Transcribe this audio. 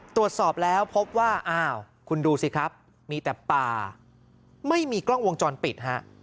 ตรวจสอบแล้วพบว่าอ้าวคุณดูสิครับมีแต่ป่าไม่มีกล้องวงจรปิดฮะ